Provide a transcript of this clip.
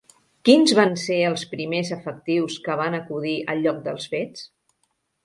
Quins van ser els primers efectius que van acudir al lloc dels fets?